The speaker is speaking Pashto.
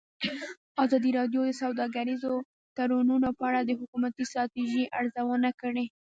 ازادي راډیو د سوداګریز تړونونه په اړه د حکومتي ستراتیژۍ ارزونه کړې.